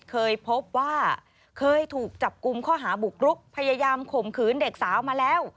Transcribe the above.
เคยพบว่าเคยถูกจับกลุ่มข้อหาบุกรุกพยายามข่มขืนเด็กสาวมาแล้ว